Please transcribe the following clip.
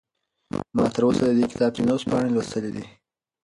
ما تر اوسه د دې کتاب پنځوس پاڼې لوستلي دي.